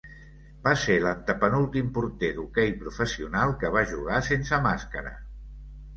Va ser l'antepenúltim porter d'hoquei professional que va jugar sense màscara.